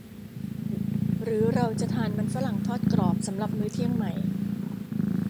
หรือเราจะทานมันฝรั่งทอดกรอบสำหรับมื้อเที่ยงไหม ?